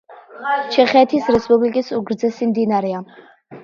ჩეხეთის რესპუბლიკის უგრძესი მდინარეა.